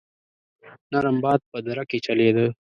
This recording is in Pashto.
نرم باد په دره کې چلېده.